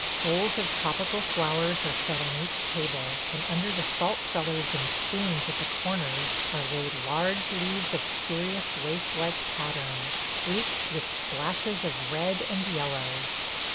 Bowls of tropical flowers are set on each table, and under the salt cellars and spoons at the corners are laid large leaves of curious lace like pattern, freaked with splashes of red and yellow.